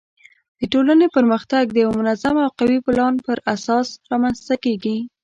د ټولنې پرمختګ د یوه منظم او قوي پلان پر اساس رامنځته کیږي.